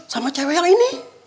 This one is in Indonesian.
sama cewe yang ini